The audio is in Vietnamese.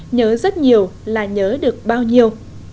nhớ rất nhiều là nhớ được bao nhiêu